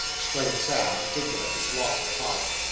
exclaimed Sam, indignant at this loss of time.